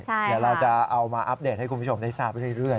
เดี๋ยวเราจะเอามาอัปเดตให้คุณผู้ชมได้ทราบเรื่อย